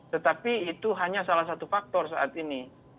tetapi itu hanya salah satu faktor saat ini